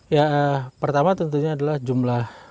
ya pertama tentunya adalah jumlah